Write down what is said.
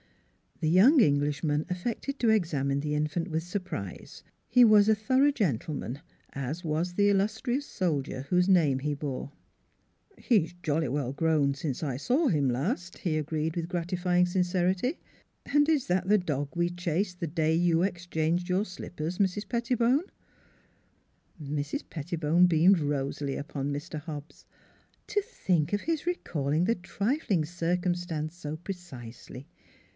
The young Englishman affected to examine the infant with surprise. He was a thorough gentle man, as was the illustrious soldier whose name he bore. " He's jolly well grown since I saw him last," he agreed with gratifying sincerity. " And is that the dog we chased the day you exchanged your slippers, Mrs. Pettibone?" Mrs. Pettibone beamed rosily upon Mr. Hobbs. To think of his recalling the trifling circumstance so precisely!